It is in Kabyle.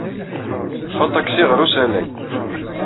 Teṭṭef aṭaksi ɣer usalay.